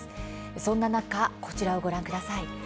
そんな中、こちらをご覧ください。